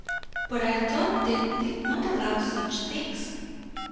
"But I thought they did not allow such things."